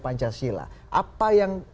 pancasila apa yang